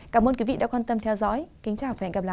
cảm ơn quý vị đã quan tâm theo dõi kính chào và hẹn gặp lại